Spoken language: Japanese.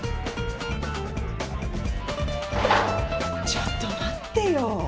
ちょっと待ってよ。